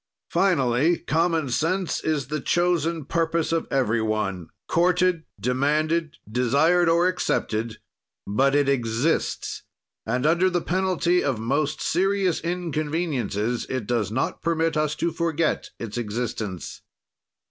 "Finally, common sense is the chosen purpose of every one, courted, demanded, desired or accepted, but it exists, and under the penalty of most serious inconveniences it does not permit us to forget its existence."